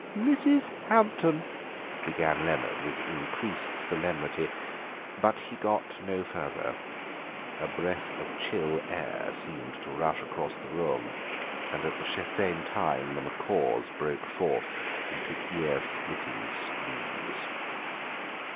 "Mrs. Hampton—" began Leonard with increased solemnity, but he got no further. A breath of chill air seemed to rush across the room, and at the same time the macaws broke forth into ear splitting screams.